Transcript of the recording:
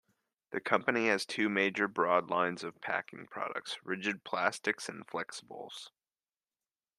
The company has two major broad lines of packaging products: Rigid Plastics and Flexibles.